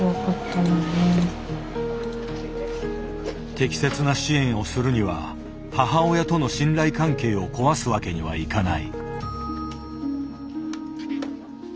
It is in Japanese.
適切な支援をするには母親との信頼関係を壊すわけにはいかない。